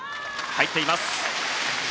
入っています。